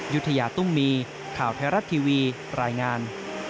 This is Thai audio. ยุธยาตุ้มมีข่าวไทยรัฐทีวีรายงาน